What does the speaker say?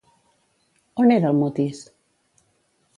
On era el Mutis?